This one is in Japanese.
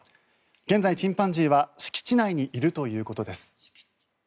現在チンパンジーは敷地内にいるということです。